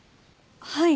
はい。